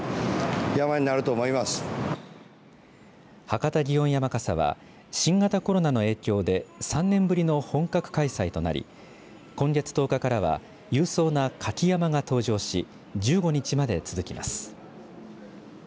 博多祇園山笠は新型コロナの影響で３年ぶりの本格開催となり今月１０日からは勇壮な舁き山笠が登場し１５日まで続きます。